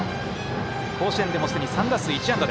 甲子園でも、すでに３打数１安打。